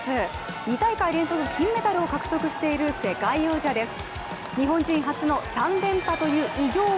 ２大会連続金メダルを獲得している世界王者です。